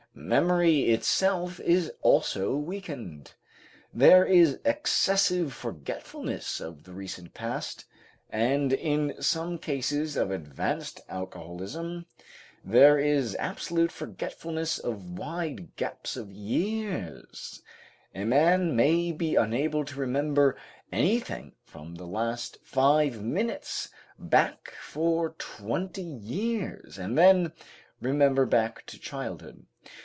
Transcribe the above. Memory itself is also weakened. There is excessive forgetfulness of the recent past, and in some cases of advanced alcoholism there is absolute forgetfulness of wide gaps of years; a man may be unable to remember anything from the last five minutes back for twenty years, and then remember back to childhood.